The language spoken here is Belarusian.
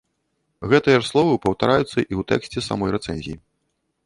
Гэтыя ж словы паўтараюцца і ў тэксце самой рэцэнзіі.